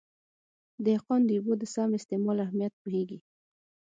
دهقان د اوبو د سم استعمال اهمیت پوهېږي.